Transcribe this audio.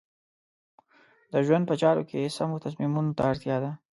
د ژوند په چارو کې سمو تصمیمونو ته اړتیا ده.